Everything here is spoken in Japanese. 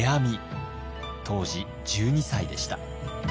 当時１２歳でした。